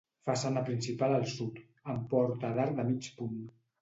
Façana principal al sud, amb porta d'arc de mig punt.